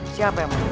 siapa yang menerima